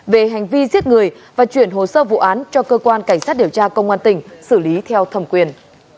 về hành vi giết người và chuyển hồ sơ vụ án cho cơ quan cảnh sát điều tra công an tỉnh xử lý theo thẩm quyền